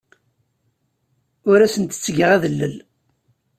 Ur asent-ttgeɣ adellel.